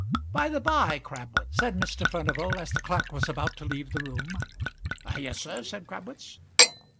"By the by, Crabwitz," said Mr. Furnival, as the clerk was about to leave the room. "Yes, sir," said Crabwitz.